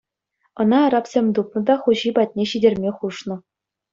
Ӑна арабсем тупнӑ та хуҫи патне ҫитерме хушнӑ.